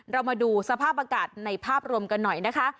เรามาดูสภาพอากาศในภาพรวมกันหน่อยนะคะ